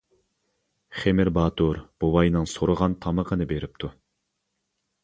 خېمىر باتۇر بوۋاينىڭ سورىغان تامىقىنى بېرىپتۇ.